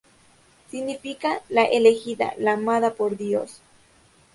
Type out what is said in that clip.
Significa 'la elegida', 'la amada por Dios'.